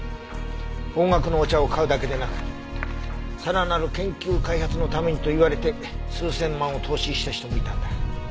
高額のお茶を買うだけでなくさらなる研究開発のためにと言われて数千万を投資した人もいたんだ。